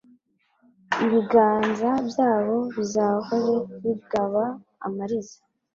ibiganza byabo bizahore bigaba amariza.